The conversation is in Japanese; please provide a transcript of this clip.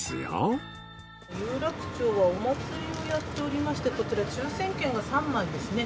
有楽町はお祭りをやっておりましてこちら抽選券が３枚ですね。